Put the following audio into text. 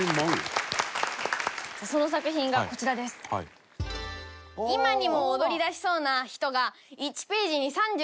その作品がこちらです。ですよね。